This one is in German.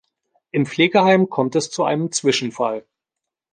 Im Pflegeheim kommt es zu einem Zwischenfall.